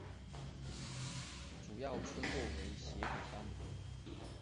主要村落为斜古丹。